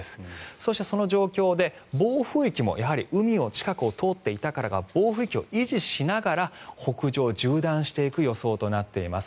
そしてその状況で、暴風域も海の近くを通っていたからか暴風域を維持しながら北上・縦断していく予想となっています。